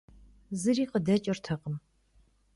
Zıri khıdeç'ırtekhım.